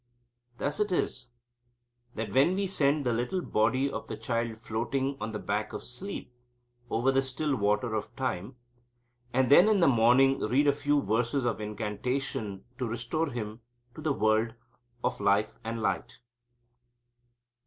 Thus it is that we send the little body of the child floating on the back of sleep over the still water of time, and then in the morning read a few verses of incantation to restore him to the world of life and light.